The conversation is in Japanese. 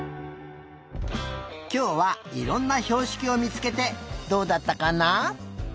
きょうはいろんなひょうしきをみつけてどうだったかな？